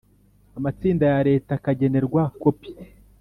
amatsinda ya Leta akagenerwa kopi